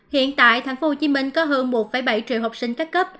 hiện tại tp hcm có hơn một bảy triệu học sinh các cấp